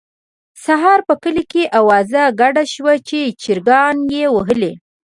سهار په کلي کې اوازه ګډه شوه چې چړیانو یې وهلی.